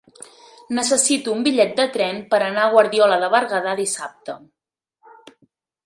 Necessito un bitllet de tren per anar a Guardiola de Berguedà dissabte.